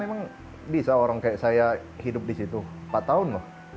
emang bisa orang kayak saya hidup di situ empat tahun loh